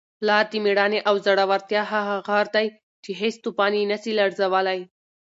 پلار د مېړانې او زړورتیا هغه غر دی چي هیڅ توپان یې نسي لړزولی.